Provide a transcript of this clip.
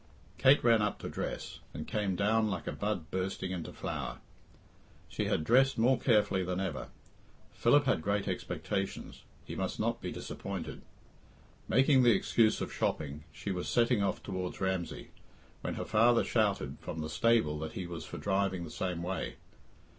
Kate ran up to dress, and came down like a bud bursting into flower. She had dressed more carefully than ever. Philip had great expectations; he must not be disappointed. Making the excuse of shopping, she was setting off towards Ramsey, when her father shouted from the stable that he was for driving the same way.